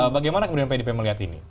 bagaimana kemudian pdip melihat ini